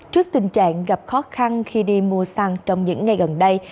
trước tình trạng gặp khó khăn khi đi mua xăng trong những ngày gần đây